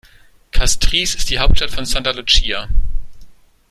Castries ist die Hauptstadt von St. Lucia.